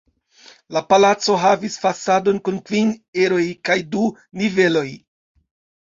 La palaco havis fasadon kun kvin eroj kaj du niveloj.